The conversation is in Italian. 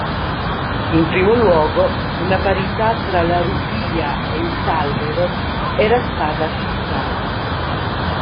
In primo luogo, una parità tra la rupia e il tallero era stata fissata.